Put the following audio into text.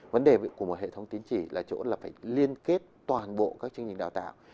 vấn đề của một hệ thống tín chỉ là chỗ là phải liên kết toàn bộ các chương trình đào tạo